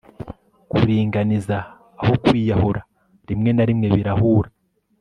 Kuringaniza aho kwiyahura rimwe na rimwe birahura